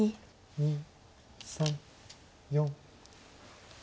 ２３４。